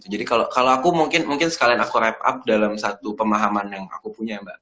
jadi kalau aku mungkin sekalian aku wrap up dalam satu pemahaman yang aku punya mbak